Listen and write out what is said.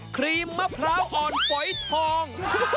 ครีมมะพร้าวอ่อนฝอยทอง